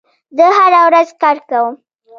زه هره ورځ کار کوم.